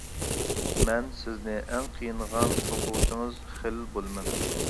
مەن سىزنى ئەڭ قىينىغان ئوقۇغۇچىڭىز خېلىل بولىمەن.